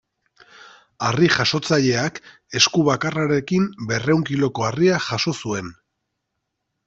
Harri-jasotzaileak, esku bakarrarekin berrehun kiloko harria jaso zuen.